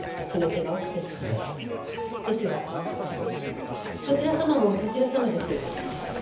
ですがそちら様もそちら様です。